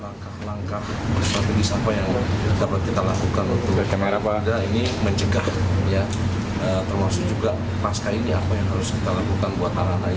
nah ini menjadi catatan buat kami